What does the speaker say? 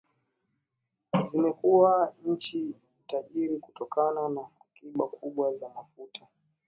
zimekuwa nchi tajiri kutokana na akiba kubwa za mafuta